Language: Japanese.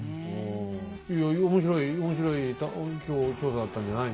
いや面白い面白い今日調査だったんじゃないの？